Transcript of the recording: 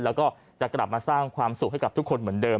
แล้วก็จะกลับมาสร้างความสุขให้กับทุกคนเหมือนเดิม